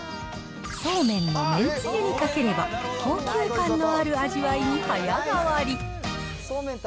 そうめんのめんつゆにかければ、高級感のある味わいに早変わり。